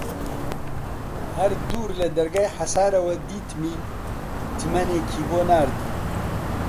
هەر دوور لە دەرگای حەسارەوە دیتمی تمەنێکی بۆ ناردم